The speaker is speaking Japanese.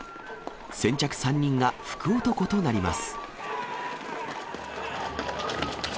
先着３人が福男となります。